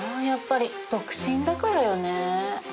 やっぱり独身だからよね。